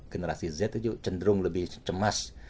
generasi z itu cenderung lebih cemas